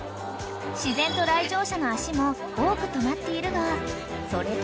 ［自然と来場者の足も多く止まっているがそれと比べ］